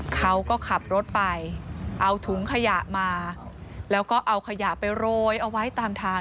เขาก็ขับรถไปเอาถุงขยะมาแล้วก็เอาขยะไปโรยเอาไว้ตามทาง